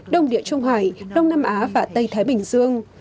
đông địa trung hải đông nam á và tây thái bình dương